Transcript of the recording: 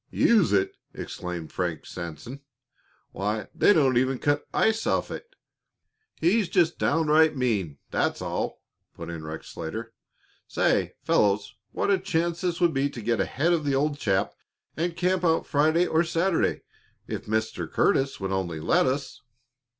"Use it!" exclaimed Frank Sanson. "Why, they don't even cut ice off it." "He's just downright mean, that's all!" put in Rex Slater. "Say, fellows, what a chance this would be to get ahead of the old chap and camp out Friday or Saturday if Mr. Curtis would only let us."